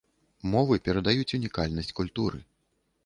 Мовы перадаюць унікальнасць культуры.